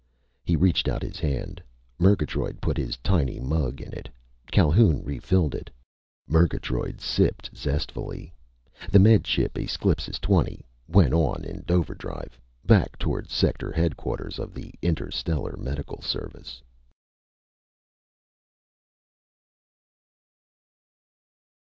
He reached out his hand, Murgatroyd put his tiny mug in it. Calhoun refilled it. Murgatroyd sipped zestfully. The Med Ship Esclipus Twenty went on in overdrive, back toward sector headquarters of the Interstellar Medical Service.